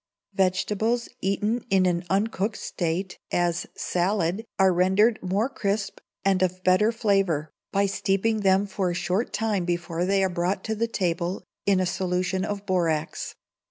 Vegetables, eaten in an uncooked state, as, salad, are rendered more crisp and of better flavour, by steeping them for a short time before they are brought to table in a solution of borax.